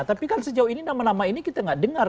tapi kan sejauh ini nama nama ini kita nggak dengar